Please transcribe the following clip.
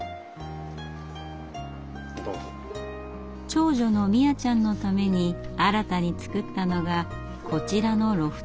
長女の実椰ちゃんのために新たに作ったのがこちらのロフト。